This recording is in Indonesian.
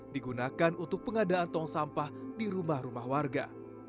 digunakan untuk pengadaan tong sampah di rumah rumah warga